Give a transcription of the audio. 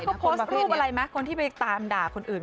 แล้วก็โพสต์รูปอะไรมั้ยคนที่ไปตามด่าคนอื่น